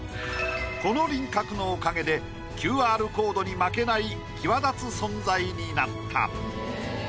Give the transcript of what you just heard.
この輪郭のおかげでＱＲコードに負けない際立つ存在になった。